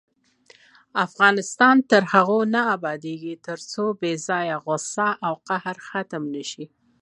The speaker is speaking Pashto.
افغانستان تر هغو نه ابادیږي، ترڅو بې ځایه غوسه او قهر ختم نشي.